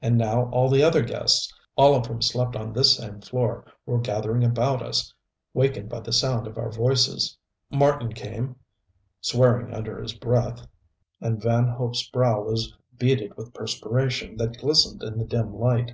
And now all the other guests, all of whom slept on this same floor, were gathering about us, wakened by the sound of our voices. Marten came, swearing under his breath, and Van Hope's brow was beaded with perspiration that glistened in the dim light.